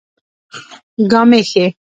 ګامېښې